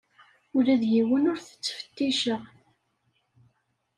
Ula d yiwen ur t-ttfetticeɣ.